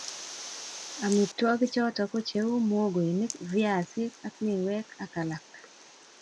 Amitwogik choto ko cheu muhogoinik viasik ak miwek ak alak